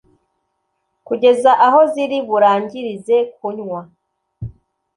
kugeza aho ziri burangirize kunywa